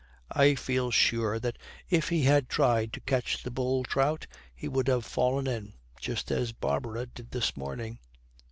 I feel sure that if he had tried to catch the bull trout he would have fallen in. Just as Barbara did this morning.'